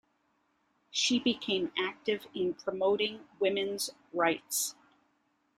She became active in promoting women's rights.